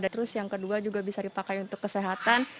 terus yang kedua juga bisa dipakai untuk kesehatan